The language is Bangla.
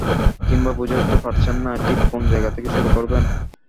কিংবা বুঝে উঠতে পারছেন না, ঠিক কোন জায়গা থেকে শুরু করবেন।